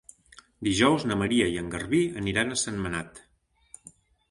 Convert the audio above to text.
Dijous na Maria i en Garbí aniran a Sentmenat.